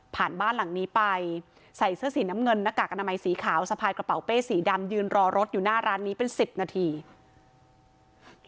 ผ่านบ้านหลังนี้ไปใส่เสื้อสีน้ำเงินหน้ากากอนามัยสีขาว